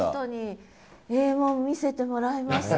ええもん見せてもらいました。